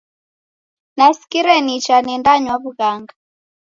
Nasikire nicha nendanywa w'ughanga.